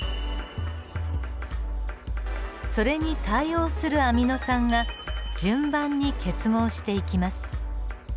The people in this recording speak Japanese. それに対応するアミノ酸が順番に結合していきます。